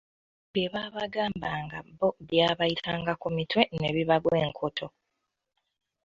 Bye baabagambanga bo byabayitanga ku mutwe ne bibagwa enkoto.